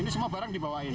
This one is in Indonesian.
ini semua barang dibawain